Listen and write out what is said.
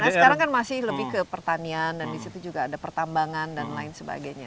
karena sekarang kan masih lebih ke pertanian dan di situ juga ada pertambangan dan lain sebagainya